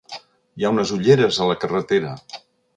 Hi ha unes ulleres a la carretera.